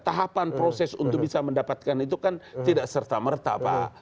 tahapan proses untuk bisa mendapatkan itu kan tidak serta merta pak